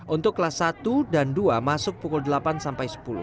untuk kelas satu dan dua masuk pukul delapan sampai sepuluh